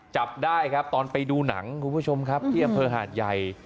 จับได้ครับตอนไปดูหนังคุณผู้ชมครับที่อำเภอหาดใหญ่